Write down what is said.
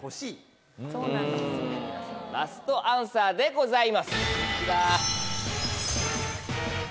・そうなんです・ラストアンサーでございます。